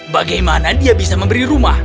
bagaimana dia bisa memberi rumah